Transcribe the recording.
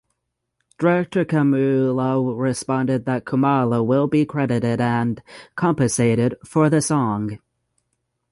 Director Kammula responded that Komala will be credited and compensated for the song.